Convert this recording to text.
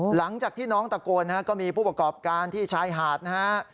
หลังจากที่น้องตะโกนนะฮะก็มีผู้ประกอบการที่ชายหาดนะฮะ